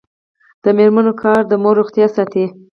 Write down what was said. د میرمنو کار د مور روغتیا ساتي.